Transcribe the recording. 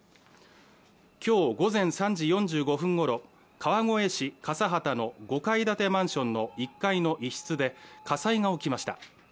今日午前３時４５分ごろ、川越市笠幡の５階建てマンションの１階の一室で火災が起きました。